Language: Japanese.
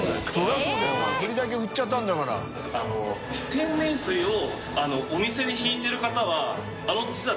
天然水をお店に引いてる方は造賄形蛙